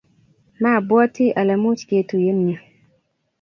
mabwatii ale much ketuyen yu.